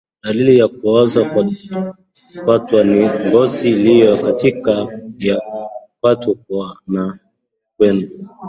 Dalili ya kuoza kwato ni ngozi iliyo katikati ya kwato kuwa na wekundu